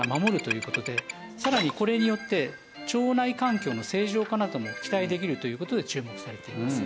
さらにこれによって腸内環境の正常化なども期待できるという事で注目されています。